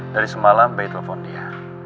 dari semalam bey telpon dia